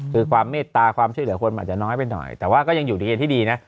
คือความเมตตาความช่วยเหลือคนมันอาจจะน้อยไปหน่อยแต่ว่าก็ยังอยู่ในเกณฑ์ที่ดีนะ